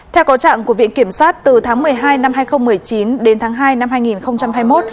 theo có trạng của viện kiểm sát từ tháng một mươi hai năm hai nghìn một mươi chín đến tháng hai năm hai nghìn hai mươi một